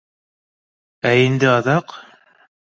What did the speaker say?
Ә инде аҙаҡ